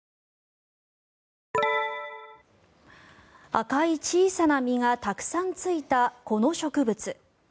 赤い小さな実がたくさんついたこの植物。